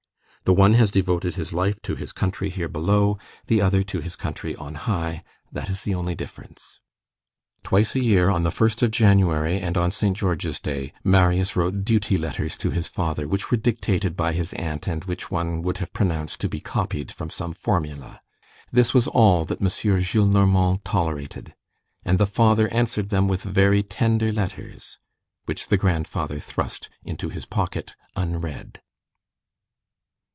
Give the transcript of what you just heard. The one has devoted his life to his country here below, the other to his country on high; that is the only difference. Twice a year, on the first of January and on St. George's day, Marius wrote duty letters to his father, which were dictated by his aunt, and which one would have pronounced to be copied from some formula; this was all that M. Gillenormand tolerated; and the father answered them with very tender letters which the grandfather thrust into his pocket unread.